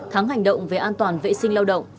tháng hành động về an toàn vệ sinh lao động